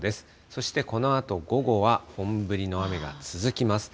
そしてこのあと午後は、本降りの雨が続きます。